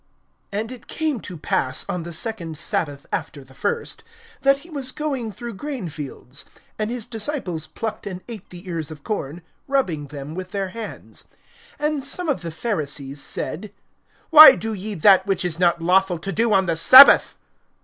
AND it came to pass on the second sabbath after the first[6:1], that he was going through grain fields; and his disciples plucked and ate the ears of grain, rubbing them with their hands. (2)And some of the Pharisees said: Why do ye that which it is not lawful to do on the sabbath?